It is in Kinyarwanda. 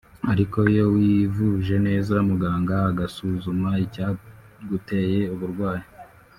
ariko iyo wivuje neza muganga agasuzuma icyaguteye uburwayi